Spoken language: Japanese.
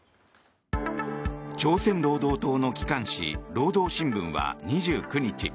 朝鮮労働党の機関紙労働新聞は２９日